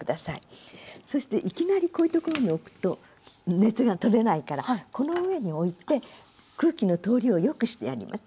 そしていきなりこういうところに置くと熱が取れないからこの上に置いて空気の通りをよくしてやります。